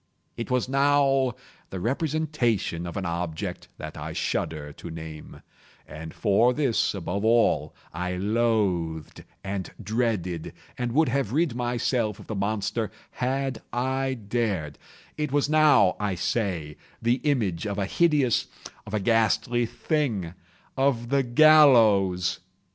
It was now the representation of an object that I shudder to name—and for this, above all, I loathed, and dreaded, and would have rid myself of the monster had I dared—it was now, I say, the image of a hideous—of a ghastly thing—of the GALLOWS!